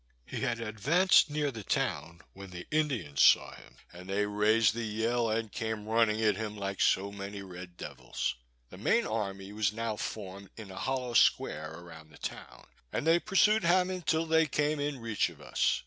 He had advanced near the town, when the Indians saw him, and they raised the yell, and came running at him like so many red devils. The main army was now formed in a hollow square around the town, and they pursued Hammond till they came in reach of us.